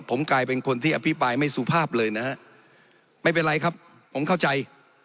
ผมกลายเป็นคนที่อภิปรายไม่สุภาพเลยนะฮะไม่เป็นไรครับผมเข้าใจ